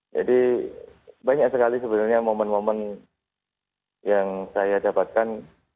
jadi banyak sekali sebenarnya momen momen yang saya dapatkan